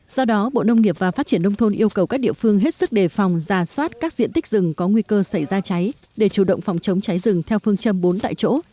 do đó bộ nông nghiệp và phát triển nông thôn yêu cầu các địa phương hết sức đề phòng giả soát các diện tích rừng có nguy cơ xảy ra cháy để chủ động phòng chống cháy rừng theo phương châm bốn tại chỗ